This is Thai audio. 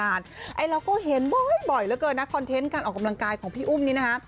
เราก็เห็นบ่อยเหลือเกินนะคอนเทนต์การออกกำลังกายของพี่อุ้มนี่นะคะ